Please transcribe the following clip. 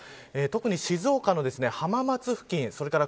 特に静岡の浜松付近それから